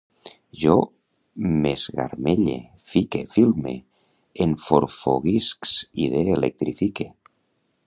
Jo m'esgargamelle, fique, filme, enforfoguisc, idee, electrifique